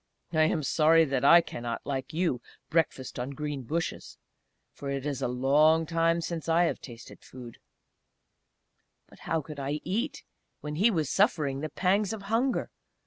I am sorry that I cannot, like you, breakfast on green bushes!... For it is a long time since I have tasted food!" But how could I eat when he was suffering the pangs of hunger?